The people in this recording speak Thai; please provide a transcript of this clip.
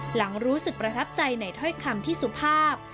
หลังรู้สึกประทับใจในถ้อยคำที่สุภาพ